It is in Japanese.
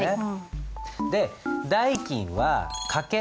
代金は掛け